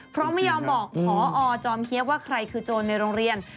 เพราะไม่ยอมบอกพอจอมเทียบว่าใครคือโจรในโรงเรียน